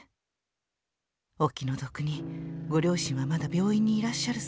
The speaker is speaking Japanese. お気の毒にご両親はまだ病院にいらっしゃるそうよ」。